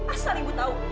asal ibu tahu